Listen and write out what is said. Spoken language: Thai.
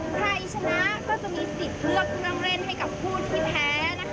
ใครชนะก็จะมีสิทธิ์เลือกเครื่องเล่นให้กับผู้ที่แพ้นะคะ